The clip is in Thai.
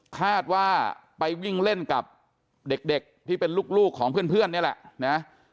คาดว่าไปวิ่งเล่นกับเด็กที่เป็นลูกของเพื่อนนี่แหละนะ